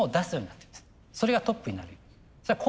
それがトップになるように。